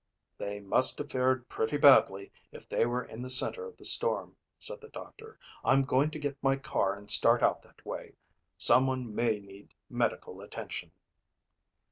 "They must have fared pretty badly if they were in the center of the storm," said the doctor. "I'm going to get my car and start out that way. Someone may need medical attention."